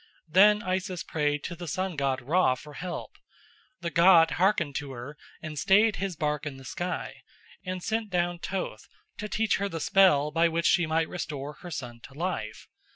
Then Isis prayed to the sun god Ra for help. The god hearkened to her and staid his bark in the sky, and sent down Thoth to teach her the spell by which she might restore her son to life.